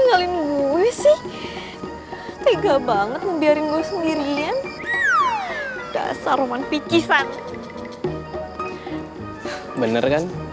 gue sih tega banget membiarkan gue sendirian dasar roman pikisan bener kan